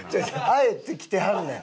あえて着てはるねん。